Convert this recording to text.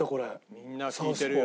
みんな聴いてるよ。